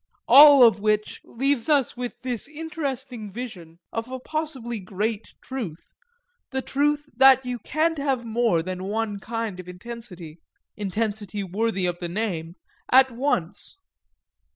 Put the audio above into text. All of which leaves us with this interesting vision of a possibly great truth, the truth that you can't have more than one kind of intensity intensity worthy of the name at once.